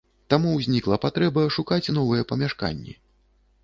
Таму ўзнікла патрэба шукаць новыя памяшканні.